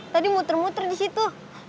tadi muter muter disitu